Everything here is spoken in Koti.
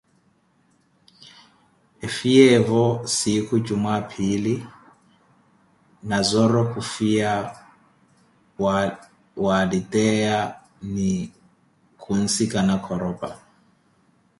Efiyeevo sinkhu jumwaa-phiili Nazoro khufiya walteyiya ni khunsikana Khoropa.